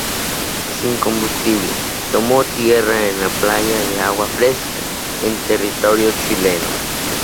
Sin combustible, tomó tierra en la playa de Agua Fresca, en territorio chileno.